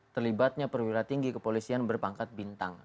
terlibatnya perwira tinggi kepolisian berpangkat bintang